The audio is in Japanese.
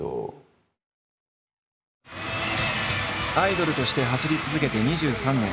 アイドルとして走り続けて２３年。